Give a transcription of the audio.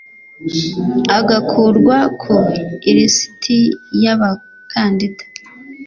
agakurwa ku ilisiti y abakandida